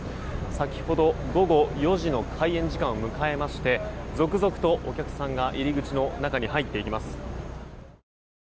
先ほど、午後４時の開演時間を迎えまして続々とお客さんが入り口の中に入っていきます。